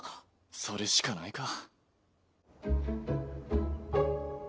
それしかないか。